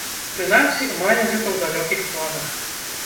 Прынамсі, мае гэта ў далёкіх планах.